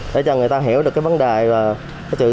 để cho người ta hiểu được cái vấn đề